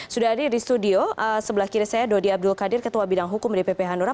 sudah hadir di studio sebelah kiri saya dodi abdul qadir ketua bidang hukum dpp hanura